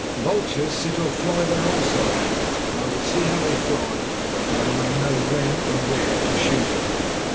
"Vultures sit or fly there also, Hans; and I would see how they fly, that I may know when and where to shoot at them."